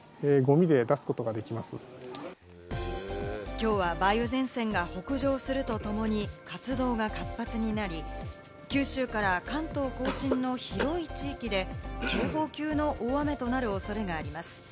きょうは梅雨前線が北上するとともに活動が活発になり、九州から関東甲信の広い地域で警報級の大雨となる恐れがあります。